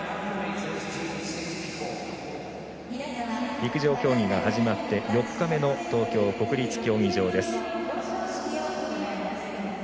陸上競技が始まって４日目の東京・国立競技場です。